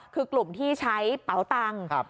คือกลุ่มที่ใช้เป๋าตังค์